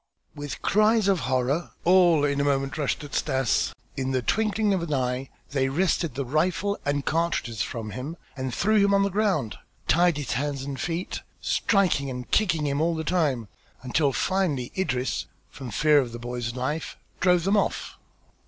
X With cries of horror, all in a moment rushed at Stas; in the twinkling of an eye they wrested the rifle and cartridges from him and threw him on the ground, tied his hands and feet, striking and kicking him all the time, until finally Idris, from fear of the boy's life, drove them off.